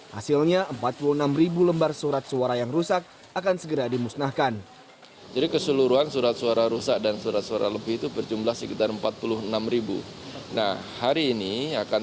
hasilnya empat puluh enam lembar surat suara yang rusak akan segera dimusnahkan